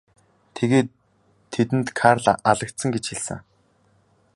Тэгээд тэдэнд Карл алагдсан гэж хэлсэн.